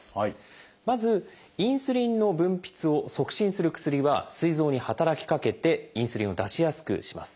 まずインスリンの分泌を促進する薬はすい臓に働きかけてインスリンを出しやすくします。